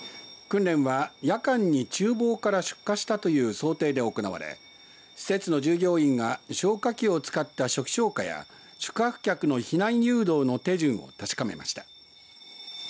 訓練は夜間に、ちゅう房から出火したという想定で行われ施設の従業員が消火器を使った初期消火や宿泊客の避難誘導の手順を確かめました。